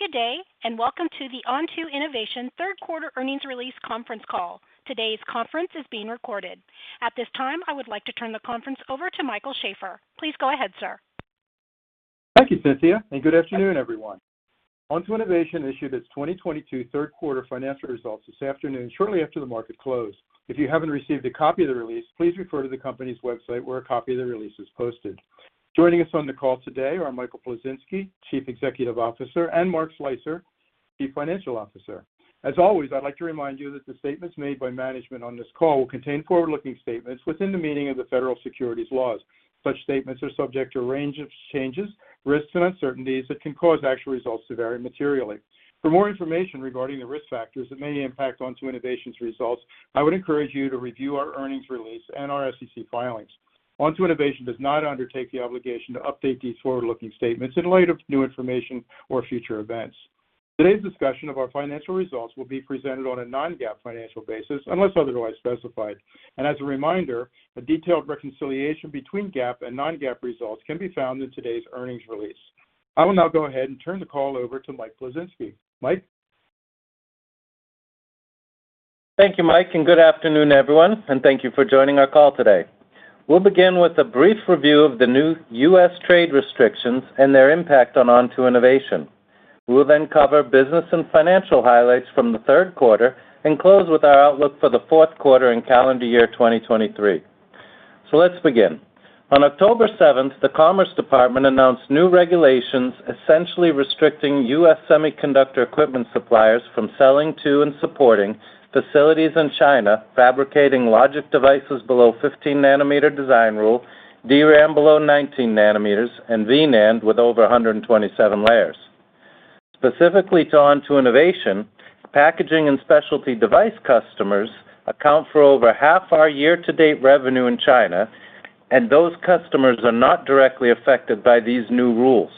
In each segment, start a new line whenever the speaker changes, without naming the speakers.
Good day, and welcome to the Onto Innovation third quarter earnings release conference call. Today's conference is being recorded. At this time, I would like to turn the conference over to Michael Sheaffer. Please go ahead, sir.
Thank you, Cynthia, and good afternoon, everyone. Onto Innovation issued its 2022 third quarter financial results this afternoon shortly after the market closed. If you haven't received a copy of the release, please refer to the company's website, where a copy of the release is posted. Joining us on the call today are Michael Plisinski, Chief Executive Officer, and Mark Slicer, Chief Financial Officer. As always, I'd like to remind you that the statements made by management on this call will contain forward-looking statements within the meaning of the Federal Securities laws. Such statements are subject to a range of changes, risks, and uncertainties that can cause actual results to vary materially. For more information regarding the risk factors that may impact Onto Innovation's results, I would encourage you to review our earnings release and our SEC filings. Onto Innovation does not undertake the obligation to update these forward-looking statements in light of new information or future events. Today's discussion of our financial results will be presented on a non-GAAP financial basis, unless otherwise specified. As a reminder, a detailed reconciliation between GAAP and non-GAAP results can be found in today's earnings release. I will now go ahead and turn the call over to Mike Plisinski. Mike?
Thank you, Mike, and good afternoon, everyone, and thank you for joining our call today. We'll begin with a brief review of the new U.S. trade restrictions and their impact on Onto Innovation. We will then cover business and financial highlights from the third quarter and close with our outlook for the fourth quarter in calendar year 2023. Let's begin. On October seventh, the Commerce Department announced new regulations essentially restricting U.S. semiconductor equipment suppliers from selling to and supporting facilities in China fabricating logic devices below 15-nanometer design rule, DRAM below 19 nanometers, and V-NAND with over 127 layers. Specifically to Onto Innovation, packaging and specialty device customers account for over half our year-to-date revenue in China, and those customers are not directly affected by these new rules.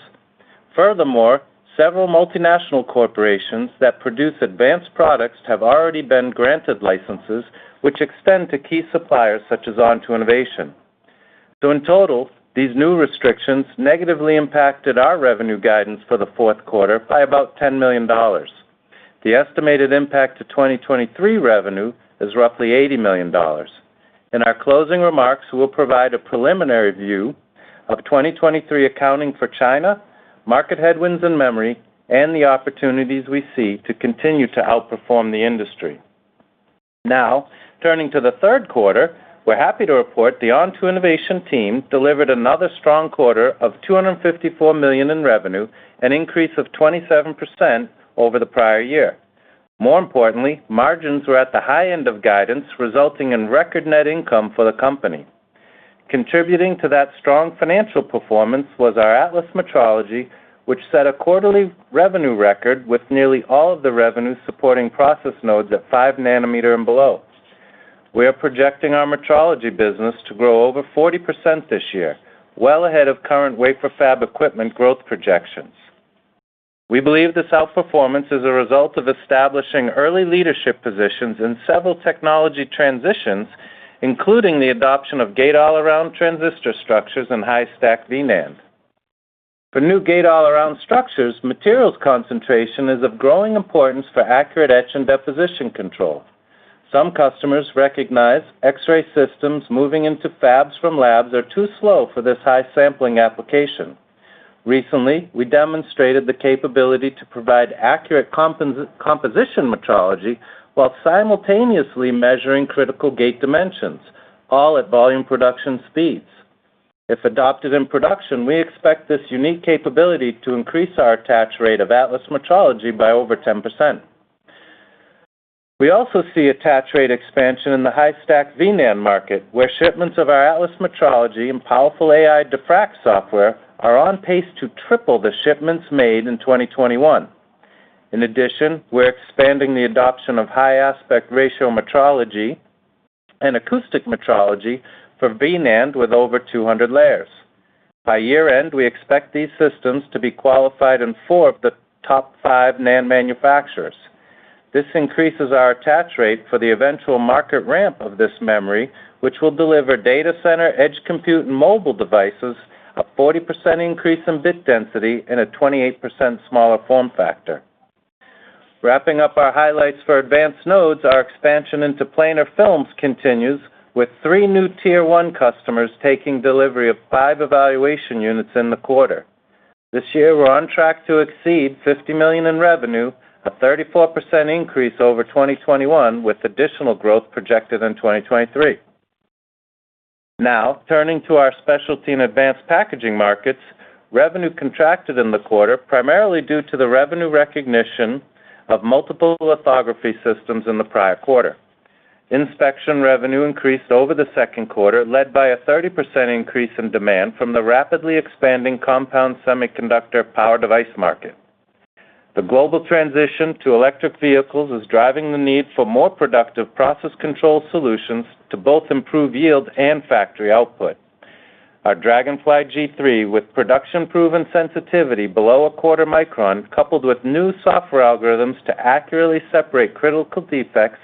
Furthermore, several multinational corporations that produce advanced products have already been granted licenses which extend to key suppliers such as Onto Innovation. In total, these new restrictions negatively impacted our revenue guidance for the fourth quarter by about $10 million. The estimated impact to 2023 revenue is roughly $80 million. In our closing remarks, we'll provide a preliminary view of 2023 accounting for China, market headwinds and memory, and the opportunities we see to continue to outperform the industry. Now, turning to the third quarter, we're happy to report the Onto Innovation team delivered another strong quarter of $254 million in revenue, an increase of 27% over the prior year. More importantly, margins were at the high end of guidance, resulting in record net income for the company. Contributing to that strong financial performance was our Atlas Metrology, which set a quarterly revenue record with nearly all of the revenue supporting process nodes at five nanometer and below. We are projecting our metrology business to grow over 40% this year, well ahead of current wafer fab equipment growth projections. We believe this outperformance is a result of establishing early leadership positions in several technology transitions, including the adoption of gate-all-around transistor structures and high-stack V-NAND. For new gate-all-around structures, materials concentration is of growing importance for accurate etch and deposition control. Some customers recognize X-ray systems moving into fabs from labs are too slow for this high sampling application. Recently, we demonstrated the capability to provide accurate composition metrology while simultaneously measuring critical gate dimensions, all at volume production speeds. If adopted in production, we expect this unique capability to increase our attach rate of Atlas Metrology by over 10%. We also see attach rate expansion in the high-stack V-NAND market, where shipments of our Atlas Metrology and powerful Ai Diffract software are on pace to triple the shipments made in 2021. In addition, we're expanding the adoption of high aspect ratio metrology and acoustic metrology for V-NAND with over 200 layers. By year-end, we expect these systems to be qualified in four of the top five NAND manufacturers. This increases our attach rate for the eventual market ramp of this memory, which will deliver data center, edge compute, and mobile devices a 40% increase in bit density in a 28% smaller form factor. Wrapping up our highlights for advanced nodes, our expansion into planar films continues with three new tier one customers taking delivery of five evaluation units in the quarter. This year, we're on track to exceed $50 million in revenue, a 34% increase over 2021, with additional growth projected in 2023. Now, turning to our specialty and advanced packaging markets, revenue contracted in the quarter primarily due to the revenue recognition of multiple lithography systems in the prior quarter. Inspection revenue increased over the second quarter, led by a 30% increase in demand from the rapidly expanding compound semiconductor power device market. The global transition to electric vehicles is driving the need for more productive process control solutions to both improve yield and factory output. Our Dragonfly G3 with production-proven sensitivity below a quarter micron, coupled with new software algorithms to accurately separate critical defects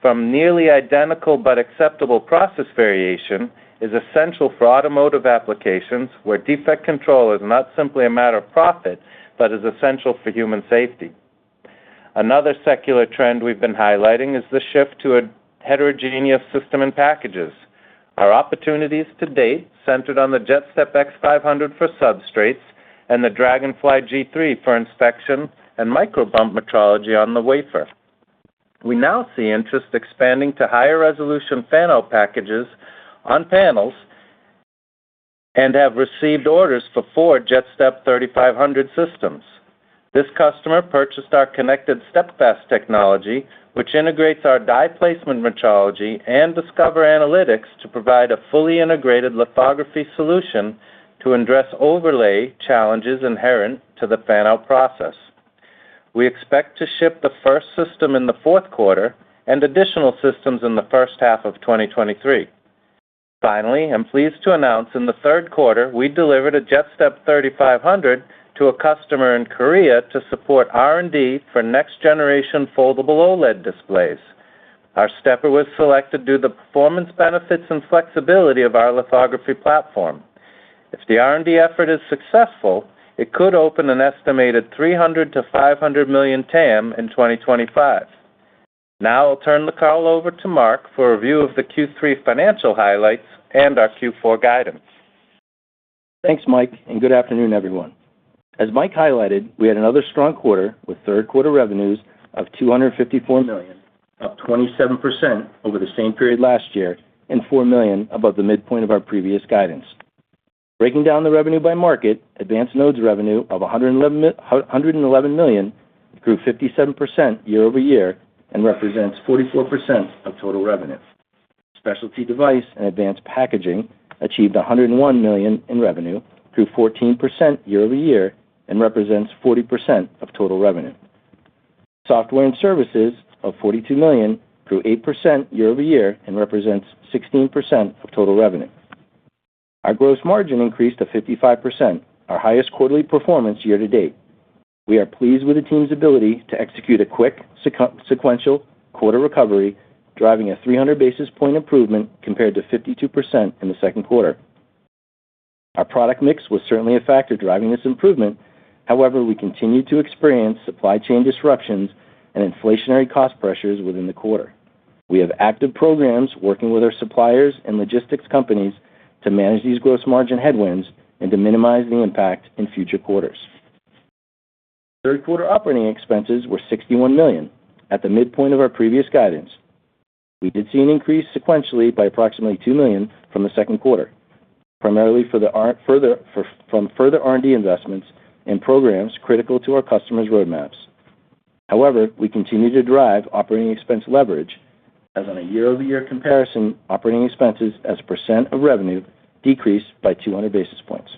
from nearly identical but acceptable process variation is essential for automotive applications where defect control is not simply a matter of profit, but is essential for human safety. Another secular trend we've been highlighting is the shift to a heterogeneous system in packages. Our opportunities to date centered on the JetStep X500 for substrates and the Dragonfly G3 for inspection and micro bump metrology on the wafer. We now see interest expanding to higher resolution fan-out packages on panels and have received orders for four JetStep S3500 systems. This customer purchased our connected StepFAST technology, which integrates our die placement metrology and Discover analytics to provide a fully integrated lithography solution to address overlay challenges inherent to the fan-out process. We expect to ship the first system in the fourth quarter and additional systems in the first half of 2023. Finally, I'm pleased to announce in the third quarter, we delivered a JetStep S3500 to a customer in Korea to support R&D for next generation foldable OLED displays. Our stepper was selected due to the performance benefits and flexibility of our lithography platform. If the R&D effort is successful, it could open an estimated $300 million-$500 million TAM in 2025. Now I'll turn the call over to Mark for a view of the Q3 financial highlights and our Q4 guidance.
Thanks, Mike, and good afternoon, everyone. As Mike highlighted, we had another strong quarter with third quarter revenues of $254 million, up 27% over the same period last year and $4 million above the midpoint of our previous guidance. Breaking down the revenue by market, advanced nodes revenue of $111 million grew 57% year-over-year and represents 44% of total revenue. Specialty device and advanced packaging achieved $101 million in revenue, grew 14% year-over-year, and represents 40% of total revenue. Software and services of $42 million grew 8% year-over-year and represents 16% of total revenue. Our gross margin increased to 55%, our highest quarterly performance year to date. We are pleased with the team's ability to execute a quick sequential quarter recovery, driving a 300 basis point improvement compared to 52% in the second quarter. Our product mix was certainly a factor driving this improvement. However, we continued to experience supply chain disruptions and inflationary cost pressures within the quarter. We have active programs working with our suppliers and logistics companies to manage these gross margin headwinds and to minimize the impact in future quarters. Third quarter operating expenses were $61 million at the midpoint of our previous guidance. We did see an increase sequentially by approximately $2 million from the second quarter, primarily from further R&D investments and programs critical to our customers' roadmaps. However, we continue to drive operating expense leverage as on a year-over-year comparison, operating expenses as a percent of revenue decreased by 200 basis points.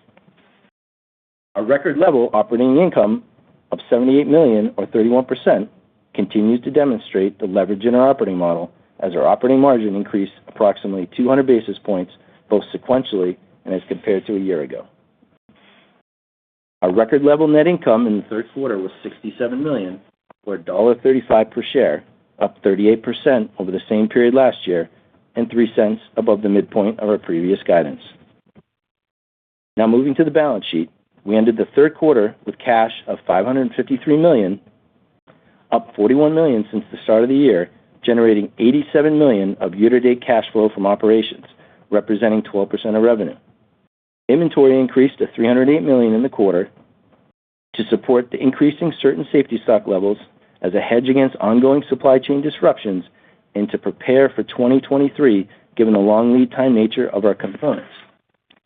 Our record level operating income of $78 million or 31% continues to demonstrate the leverage in our operating model as our operating margin increased approximately 200 basis points, both sequentially and as compared to a year ago. Our record level net income in the third quarter was $67 million, or $1.35 per share, up 38% over the same period last year and $0.03 above the midpoint of our previous guidance. Now moving to the balance sheet. We ended the third quarter with cash of $553 million, up $41 million since the start of the year, generating $87 million of year-to-date cash flow from operations, representing 12% of revenue. Inventory increased to $308 million in the quarter to support the increasing certain safety stock levels as a hedge against ongoing supply chain disruptions and to prepare for 2023, given the long lead time nature of our components.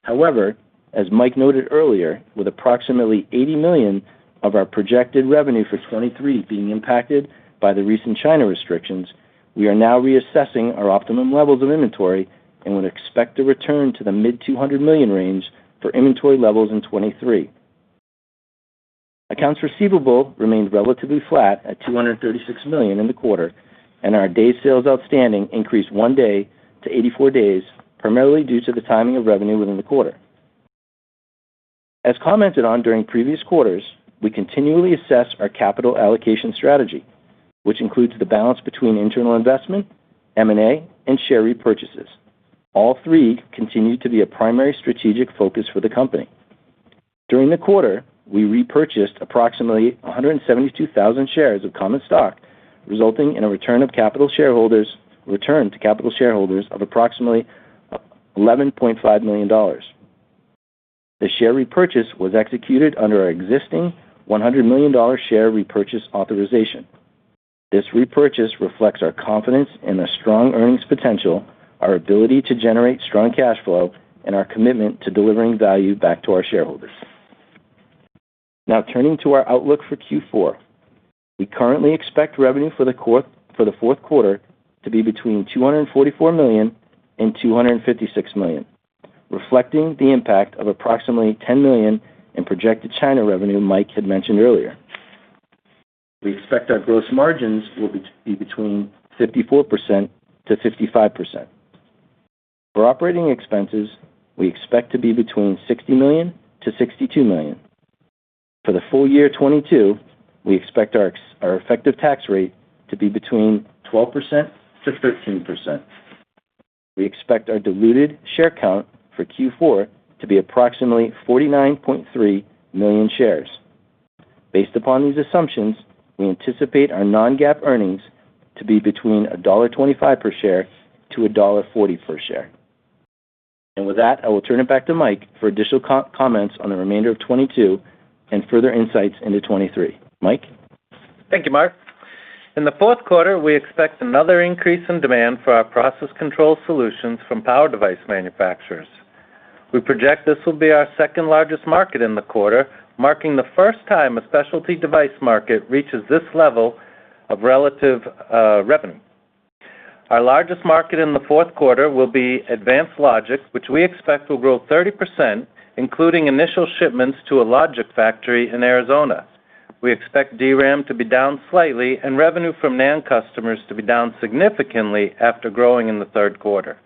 However, as Mike noted earlier, with approximately $80 million of our projected revenue for 2023 being impacted by the recent China restrictions, we are now reassessing our optimum levels of inventory and would expect a return to the mid-two hundred million range for inventory levels in 2023. Accounts receivable remained relatively flat at $236 million in the quarter, and our day sales outstanding increased one day to 84 days, primarily due to the timing of revenue within the quarter. As commented on during previous quarters, we continually assess our capital allocation strategy, which includes the balance between internal investment, M&A, and share repurchases. All three continue to be a primary strategic focus for the company. During the quarter, we repurchased approximately 172,000 shares of common stock, resulting in a return to capital shareholders of approximately $11.5 million. The share repurchase was executed under our existing $100 million share repurchase authorization. This repurchase reflects our confidence in the strong earnings potential, our ability to generate strong cash flow, and our commitment to delivering value back to our shareholders. Now turning to our outlook for Q4. We currently expect revenue for the fourth quarter to be between $244 million and $256 million, reflecting the impact of approximately $10 million in projected China revenue Mike had mentioned earlier. We expect our gross margins will be between 54%-55%. For operating expenses, we expect to be between $60 million-$62 million. For the full year 2022, we expect our effective tax rate to be between 12%-13%. We expect our diluted share count for Q4 to be approximately 49.3 million shares. Based upon these assumptions, we anticipate our non-GAAP earnings to be between $1.25-$1.40 per share. With that, I will turn it back to Mike for additional comments on the remainder of 2022 and further insights into 2023. Mike.
Thank you, Mark. In the fourth quarter, we expect another increase in demand for our process control solutions from power device manufacturers. We project this will be our second-largest market in the quarter, marking the first time a specialty device market reaches this level of relative revenue. Our largest market in the fourth quarter will be advanced logic, which we expect will grow 30%, including initial shipments to a logic factory in Arizona. We expect DRAM to be down slightly and revenue from NAND customers to be down significantly after growing in the third quarter.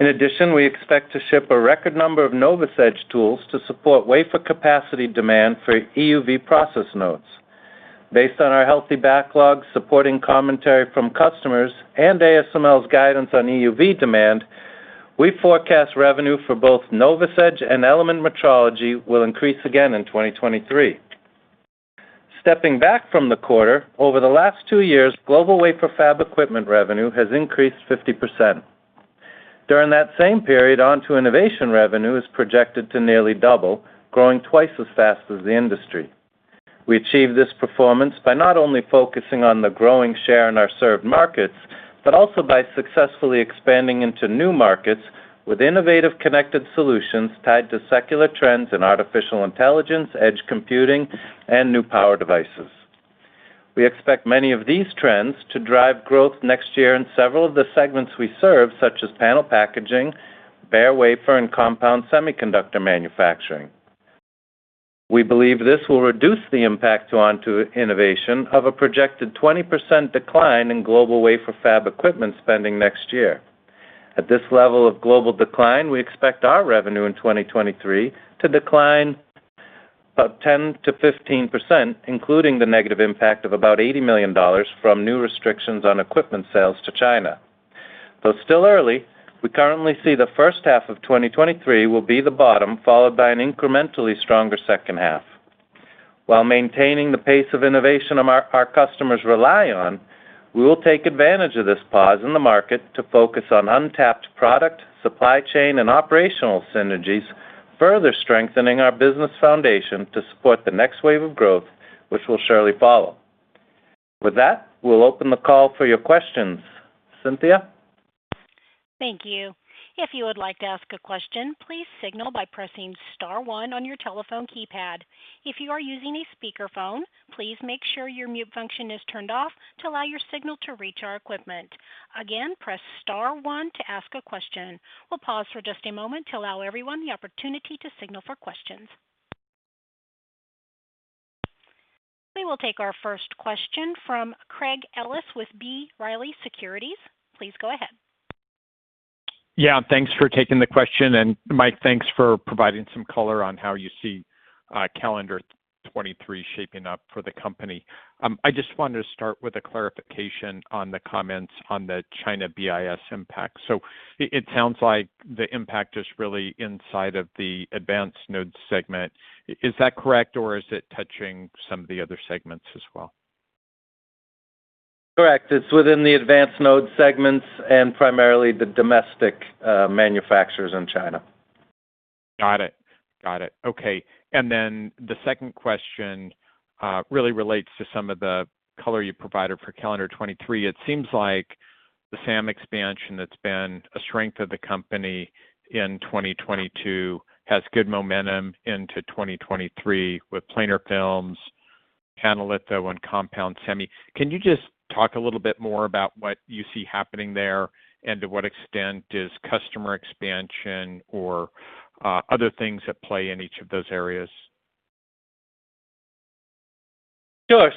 In addition, we expect to ship a record number of NovusEdge tools to support wafer capacity demand for EUV process nodes. Based on our healthy backlogs, supporting commentary from customers, and ASML's guidance on EUV demand, we forecast revenue for both NovusEdge and Element metrology will increase again in 2023. Stepping back from the quarter, over the last two years, global wafer fab equipment revenue has increased 50%. During that same period, Onto Innovation revenue is projected to nearly double, growing twice as fast as the industry. We achieved this performance by not only focusing on the growing share in our served markets, but also by successfully expanding into new markets with innovative connected solutions tied to secular trends in artificial intelligence, edge computing, and new power devices. We expect many of these trends to drive growth next year in several of the segments we serve, such as panel packaging, bare wafer, and compound semiconductor manufacturing. We believe this will reduce the impact to Onto Innovation of a projected 20% decline in global wafer fab equipment spending next year. At this level of global decline, we expect our revenue in 2023 to decline about 10%-15%, including the negative impact of about $80 million from new restrictions on equipment sales to China. Though it's still early, we currently see the first half of 2023 will be the bottom, followed by an incrementally stronger second half. While maintaining the pace of innovation our customers rely on, we will take advantage of this pause in the market to focus on untapped product, supply chain, and operational synergies, further strengthening our business foundation to support the next wave of growth, which will surely follow. With that, we'll open the call for your questions. Cynthia.
Thank you. If you would like to ask a question, please signal by pressing star one on your telephone keypad. If you are using a speakerphone, please make sure your mute function is turned off to allow your signal to reach our equipment. Again, press star one to ask a question. We'll pause for just a moment to allow everyone the opportunity to signal for questions. We will take our first question from Craig Ellis with B. Riley Securities. Please go ahead.
Yeah, thanks for taking the question. Mike, thanks for providing some color on how you see calendar 2023 shaping up for the company. I just wanted to start with a clarification on the comments on the China BIS impact. It sounds like the impact is really inside of the advanced node segment. Is that correct, or is it touching some of the other segments as well?
Correct. It's within the advanced node segments and primarily the domestic manufacturers in China.
Got it. Okay. The second question really relates to some of the color you provided for calendar 2023. It seems like the SAM expansion that's been a strength of the company in 2022 has good momentum into 2023 with planar films, panel litho, and compound semi. Can you just talk a little bit more about what you see happening there, and to what extent is customer expansion or other things at play in each of those areas?
Sure.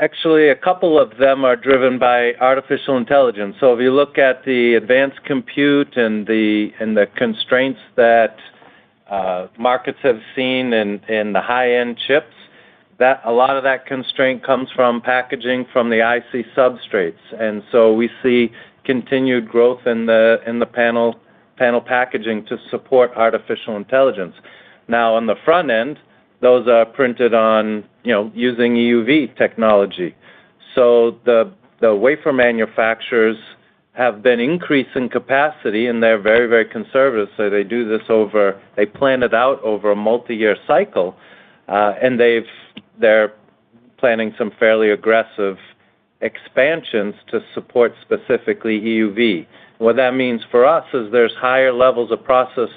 Actually a couple of them are driven by artificial intelligence. If you look at the advanced compute and the constraints that markets have seen in the high-end chips, a lot of that constraint comes from packaging from the IC substrates. We see continued growth in the panel packaging to support artificial intelligence. Now on the front end, those are printed on, you know, using EUV technology. The wafer manufacturers have been increasing capacity, and they're very conservative, so they do this over a multi-year cycle, and they're planning some fairly aggressive expansions to support specifically EUV. What that means for us is there's higher levels of process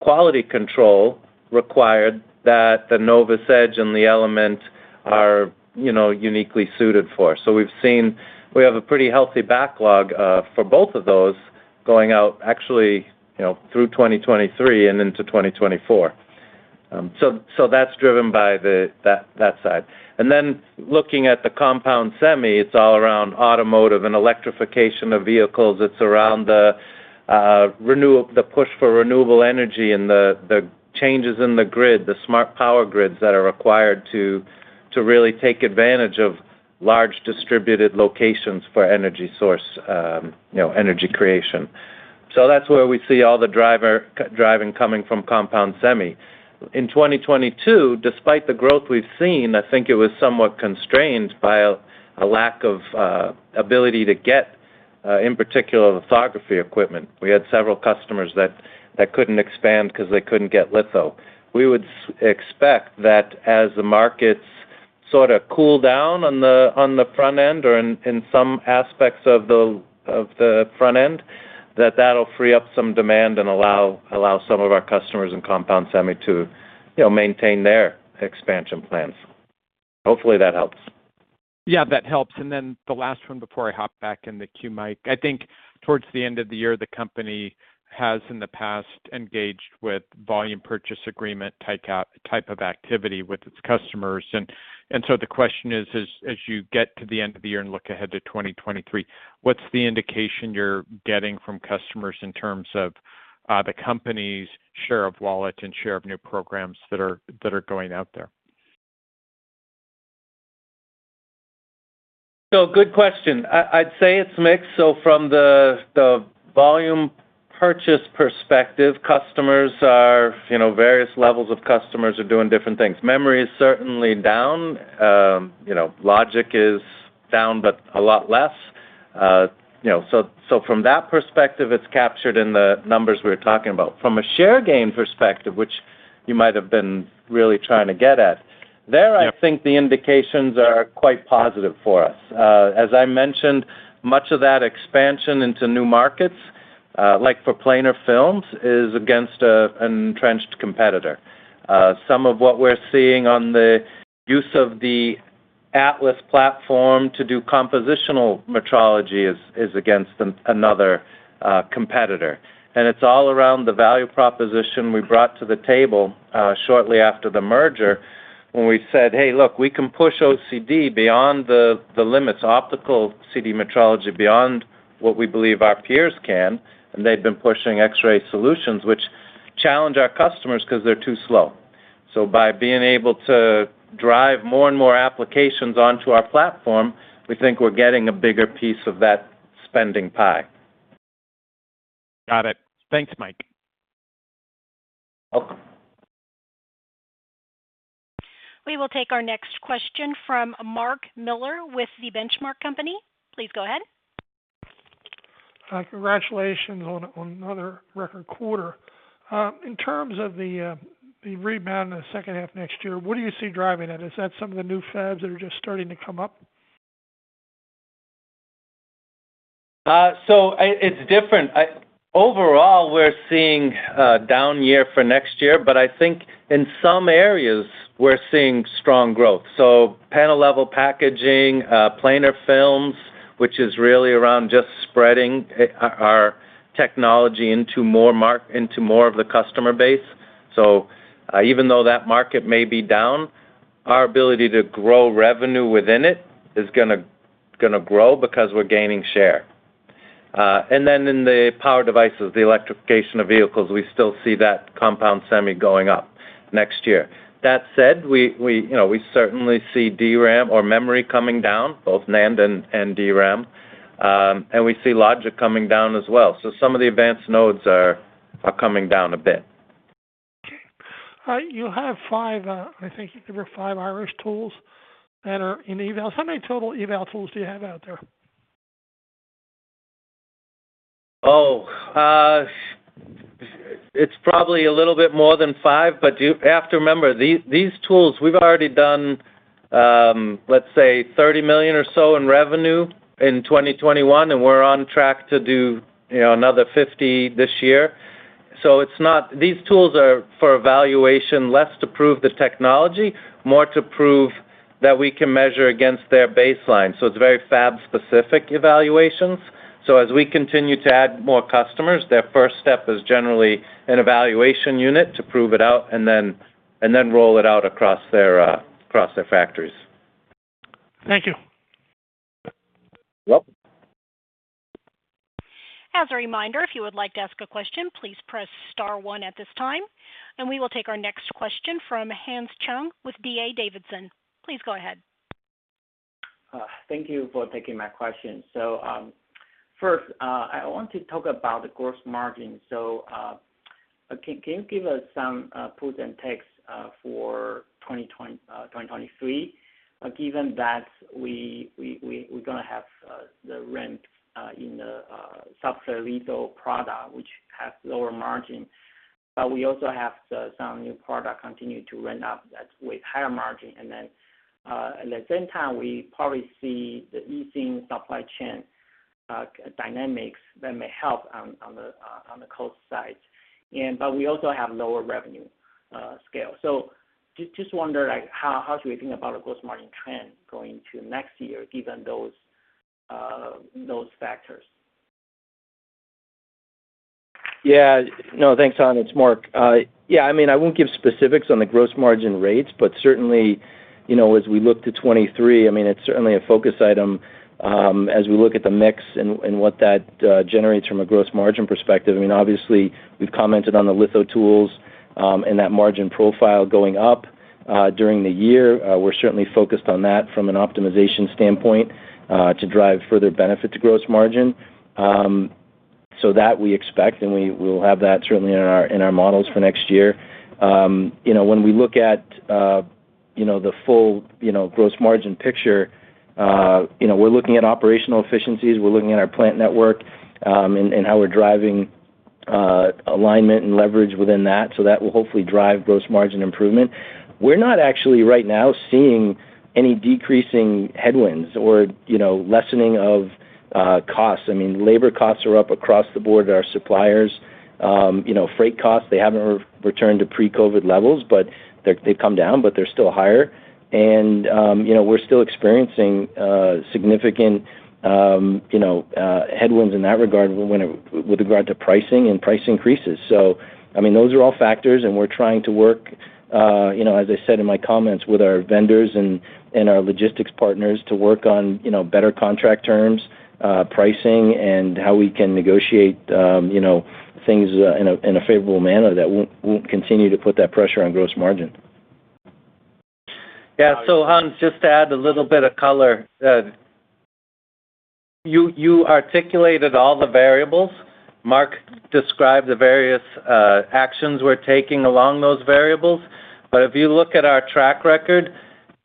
quality control required that the NovusEdge and the Element are, you know, uniquely suited for. We have a pretty healthy backlog for both of those going out actually, you know, through 2023 and into 2024. That's driven by that side. Then looking at the compound semi, it's all around automotive and electrification of vehicles. It's around the push for renewable energy and the changes in the grid, the smart power grids that are required to really take advantage of large distributed locations for energy source, energy creation. That's where we see all the driving coming from compound semi. In 2022, despite the growth we've seen, I think it was somewhat constrained by a lack of ability to get, in particular, lithography equipment. We had several customers that couldn't expand because they couldn't get litho. We would expect that as the markets sort of cool down on the front end or in some aspects of the front end, that that'll free up some demand and allow some of our customers in compound semi to, you know, maintain their expansion plans. Hopefully, that helps.
Yeah, that helps. The last one before I hop back in the queue, Mike. I think towards the end of the year, the company has in the past engaged with volume purchase agreement type of activity with its customers. The question is, as you get to the end of the year and look ahead to 2023, what's the indication you're getting from customers in terms of the company's share of wallet and share of new programs that are going out there?
Good question. I'd say it's mixed. From the volume purchase perspective, customers are, you know, various levels of customers are doing different things. Memory is certainly down. You know, logic is down, but a lot less. You know, from that perspective, it's captured in the numbers we're talking about. From a share gain perspective, which you might have been really trying to get at, there-
Yeah.
I think the indications are quite positive for us. As I mentioned, much of that expansion into new markets, like for planar films, is against an entrenched competitor. Some of what we're seeing on the use of the Atlas platform to do compositional metrology is against another competitor. It's all around the value proposition we brought to the table, shortly after the merger, when we said, "Hey, look, we can push OCD beyond the limits, optical CD metrology, beyond what we believe our peers can." They've been pushing X-ray solutions, which challenge our customers because they're too slow. By being able to drive more and more applications onto our platform, we think we're getting a bigger piece of that spending pie.
Got it. Thanks, Mike.
Welcome.
We will take our next question from Mark Miller with The Benchmark Company. Please go ahead.
Hi. Congratulations on another record quarter. In terms of the rebound in the second half next year, what do you see driving it? Is that some of the new fabs that are just starting to come up?
It's different. Overall, we're seeing a down year for next year, but I think in some areas we're seeing strong growth. Panel level packaging, planar films, which is really around just spreading our technology into more of the customer base. Even though that market may be down, our ability to grow revenue within it is gonna grow because we're gaining share. And then in the power devices, the electrification of vehicles, we still see that compound semi going up next year. That said, you know, we certainly see DRAM or memory coming down, both NAND and DRAM. And we see logic coming down as well. Some of the advanced nodes are coming down a bit.
Okay. All right. You have five, I think you give her five Irish tools that are in eval. How many total eval tools do you have out there?
It's probably a little bit more than five, but you have to remember, these tools we've already done, let's say $30 million or so in revenue in 2021, and we're on track to do, you know, another $50 million this year. It's not. These tools are for evaluation, less to prove the technology, more to prove that we can measure against their baseline. As we continue to add more customers, their first step is generally an evaluation unit to prove it out and then roll it out across their factories.
Thank you.
Welcome.
As a reminder, if you would like to ask a question, please press star one at this time. We will take our next question from Hans Chung with D.A. Davidson. Please go ahead.
Thank you for taking my question. First, I want to talk about the gross margin. Can you give us some puts and takes for 2023? Given that we're gonna have the ramp in the specialty litho product, which has lower margin, but we also have some new product continue to ramp up that with higher margin. At the same time, we probably see the easing supply chain dynamics that may help on the cost side. We also have lower revenue scale. Just wonder, like, how should we think about a gross margin trend going to next year, given those factors?
Yeah. No, thanks, Hans. It's Mark. Yeah, I mean, I won't give specifics on the gross margin rates, but certainly, you know, as we look to 2023, I mean, it's certainly a focus item, as we look at the mix and what that generates from a gross margin perspective. I mean, obviously, we've commented on the litho tools, and that margin profile going up during the year. We're certainly focused on that from an optimization standpoint to drive further benefit to gross margin. So that we expect, and we will have that certainly in our models for next year. You know, when we look at you know, the full you know, gross margin picture, you know, we're looking at operational efficiencies. We're looking at our plant network, and how we're driving alignment and leverage within that, so that will hopefully drive gross margin improvement. We're not actually right now seeing any decreasing headwinds or, you know, lessening of costs. I mean, labor costs are up across the board. Our suppliers, freight costs, they haven't returned to pre-COVID levels, but they've come down, but they're still higher. We're still experiencing significant headwinds in that regard with regard to pricing and price increases. I mean, those are all factors, and we're trying to work, you know, as I said in my comments, with our vendors and our logistics partners to work on, you know, better contract terms, pricing, and how we can negotiate, you know, things in a favorable manner that won't continue to put that pressure on gross margin.
Yeah. Hans, just to add a little bit of color. You articulated all the variables. Mark described the various actions we're taking along those variables. If you look at our track record,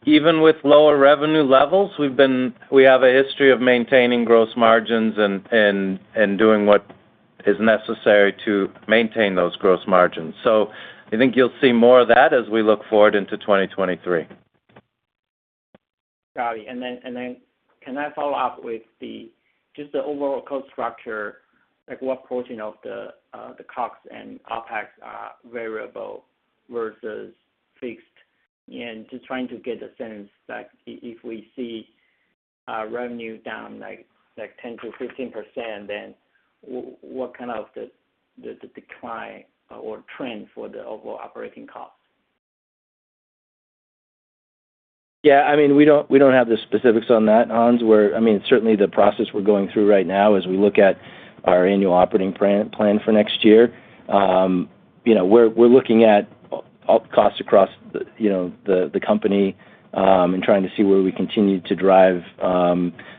even with lower revenue levels, we have a history of maintaining gross margins and doing what is necessary to maintain those gross margins. I think you'll see more of that as we look forward into 2023.
Got it. Then can I follow up with just the overall cost structure? Like, what portion of the COGS and OpEx are variable versus fixed? Just trying to get a sense, like if we see revenue down like 10%-15%, then what kind of the decline or trend for the overall operating costs?
Yeah, I mean, we don't have the specifics on that, Hans. I mean, certainly the process we're going through right now as we look at our annual operating plan for next year, you know, we're looking at all costs across the company, you know, and trying to see where we continue to drive,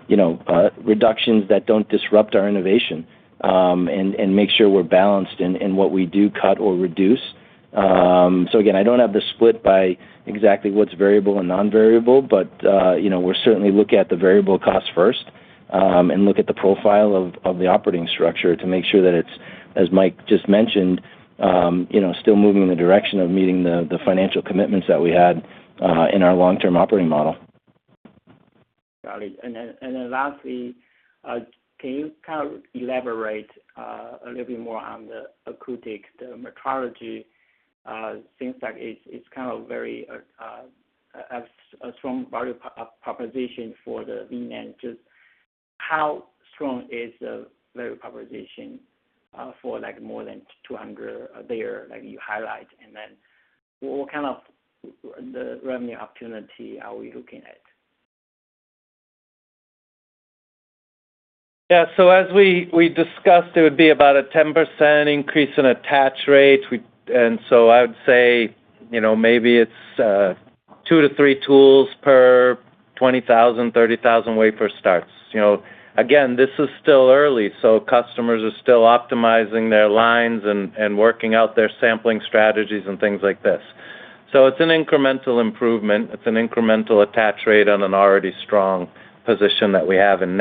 you know, reductions that don't disrupt our innovation, and make sure we're balanced in what we do cut or reduce. Again, I don't have the split by exactly what's variable and non-variable, but you know, we're certainly looking at the variable costs first, and look at the profile of the operating structure to make sure that it's, as Mike just mentioned, you know, still moving in the direction of meeting the financial commitments that we had in our long-term operating model.
Got it. Then lastly, can you kind of elaborate a little bit more on the acoustic metrology? Seems like it's kind of a very strong value proposition for the V-NAND. Just how strong is the value proposition for like more than 200 layer like you highlight? What kind of the revenue opportunity are we looking at?
Yeah. As we discussed, it would be about a 10% increase in attach rate. I would say, you know, maybe it's two-three tools per 20,000-30,000 wafer starts. You know, again, this is still early, customers are still optimizing their lines and working out their sampling strategies and things like this. It's an incremental improvement. It's an incremental attach rate on an already strong position that we have in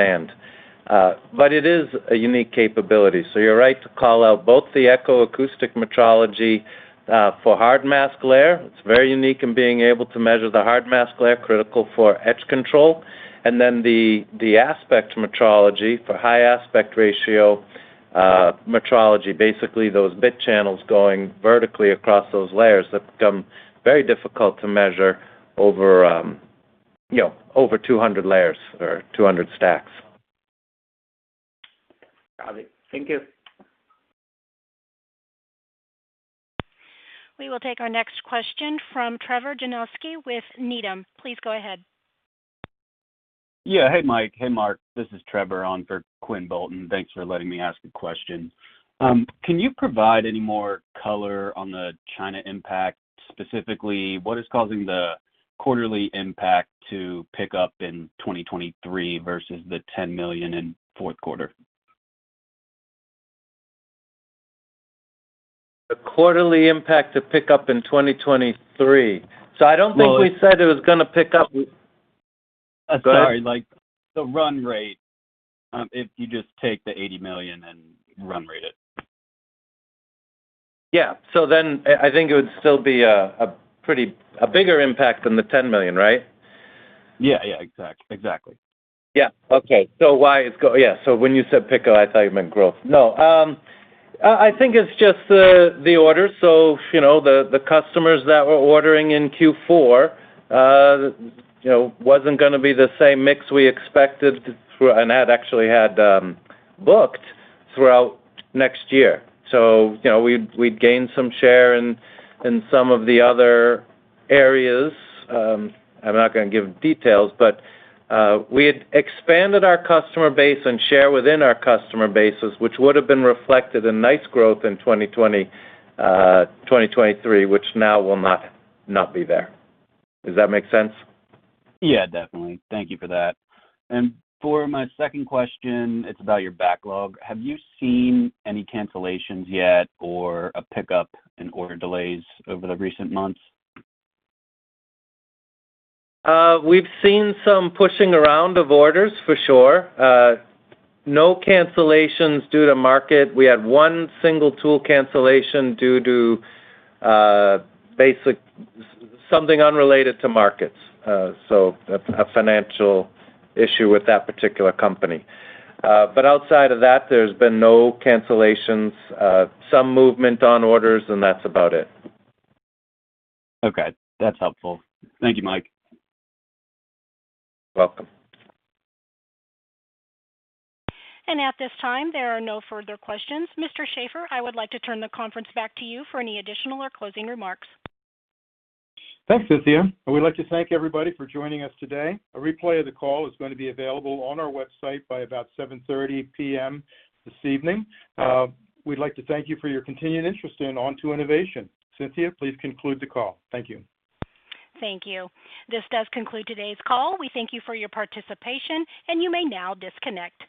NAND. It is a unique capability. You're right to call out both the Echo acoustic metrology for hard mask layer. It's very unique in being able to measure the hard mask layer, critical for etch control. The high aspect ratio metrology, basically those bit channels going vertically across those layers that become very difficult to measure over, you know, over 200 layers or 200 stacks.
Got it. Thank you.
We will take our next question from Trevor Janoskie with Needham. Please go ahead.
Yeah. Hey, Mike. Hey, Mark. This is Trevor on for Quinn Bolton. Thanks for letting me ask a question. Can you provide any more color on the China impact? Specifically, what is causing the quarterly impact to pick up in 2023 versus the $10 million in fourth quarter?
The quarterly impact to pick up in 2023. I don't think we said it was gonna pick up.
Sorry. Like the run rate, if you just take the $80 million and run rate it.
I think it would still be a bigger impact than the $10 million, right?
Yeah. Exactly.
When you said pickup, I thought you meant growth. No. I think it's just the order. The customers that were ordering in Q4 wasn't gonna be the same mix we expected and had actually booked throughout next year. We'd gained some share in some of the other areas. I'm not gonna give details, but we had expanded our customer base and share within our customer bases, which would have been reflected in nice growth in 2020, 2023, which now will not be there. Does that make sense?
Yeah, definitely. Thank you for that. For my second question, it's about your backlog. Have you seen any cancellations yet or a pickup in order delays over the recent months?
We've seen some pushing around of orders for sure. No cancellations due to market. We had one single tool cancellation due to a financial issue with that particular company. Outside of that, there's been no cancellations. Some movement on orders, and that's about it.
Okay. That's helpful. Thank you, Mike.
You're welcome.
At this time, there are no further questions. Mr. Sheaffer, I would like to turn the conference back to you for any additional or closing remarks.
Thanks, Cynthia. We'd like to thank everybody for joining us today. A replay of the call is going to be available on our website by about 7:30 P.M. this evening. We'd like to thank you for your continued interest in Onto Innovation. Cynthia, please conclude the call. Thank you.
Thank you. This does conclude today's call. We thank you for your participation, and you may now disconnect.